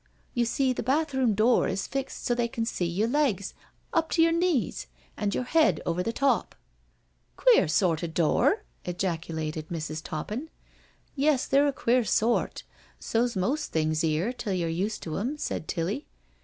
You see the bath room door is fixed so they can see your legs up to your knees, and your head over the top." " Queer sort of door I" ejaculated Mrs. Toppin. " Yes, they're a queer sort— so's most things 'ere, till you're used to 'em," said Tilly.